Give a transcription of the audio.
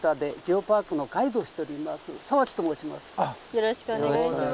よろしくお願いします。